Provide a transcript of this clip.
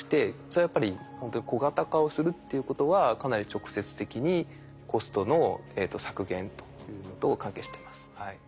それはやっぱりほんとに小型化をするっていうことはかなり直接的にコストの削減というのと関係しています。